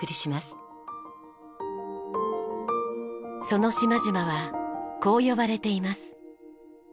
その島々はこう呼ばれています。